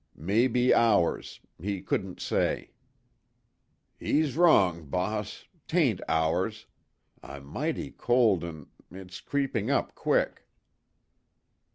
"Maybe hours. He couldn't say." "'E's wrong, boss. 'Tain't hours. I'm mighty cold, an' it's creepin' up quick."